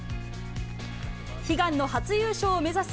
悲願の初優勝を目指す